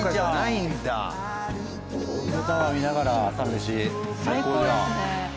東京タワー見ながら朝メシ最高じゃん。